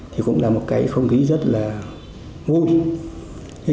thì cũng là một cái không khí rất là vui